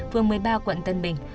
phương một mươi ba quận tân bình